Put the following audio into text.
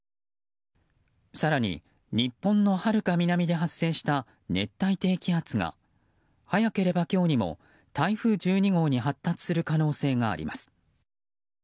更に、日本のはるか南で発生した熱帯低気圧が早ければ今日にも台風１２号に発達する可能性があります。